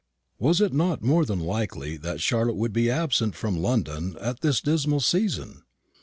Was it not more than likely that Charlotte would be absent from London at this dismal season?